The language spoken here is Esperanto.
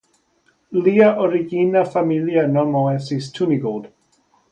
Lia origina familia nomo estis "Tunigold.